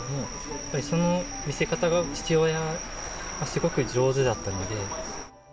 やっぱりその見せ方が父親はすごく上手だったので。